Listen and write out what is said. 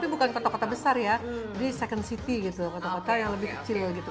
tapi bukan kota kota besar ya di second city gitu kota kota yang lebih kecil gitu